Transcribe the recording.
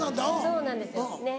そうなんですよねっ。